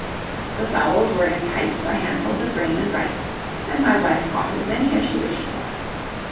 The fowls were enticed by handfuls of grain and rice, and my wife caught as many as she wished for.